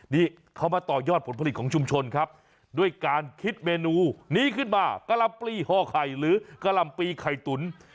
นี่เขามาต่อยอดผลผลิตของชุมชนครับด้วยการคิดเมนูนี้ขึ้นมากะลำปลีห่อไข่หรือกะลำปีไข่ตุ๋น